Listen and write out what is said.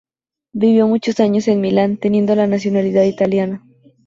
Vivió muchos años en Milán, teniendo la nacionalidad italiana.